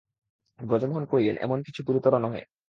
ব্রজমোহন কহিলেন, এমন কিছু গুরুতর নহে।